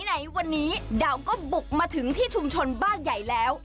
ไหนวันนี้ดาวก็บุกมาถึงที่ชุมชนบ้านใหญ่แล้ว